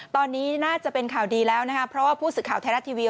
ตอนนี้น่าจะเป็นข่าวดีแล้วนะคะเพราะว่าผู้สื่อข่าวไทยรัฐทีวี